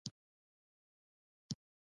زه د سندرو البوم اورم.